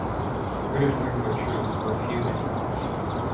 British regular troops were few in number.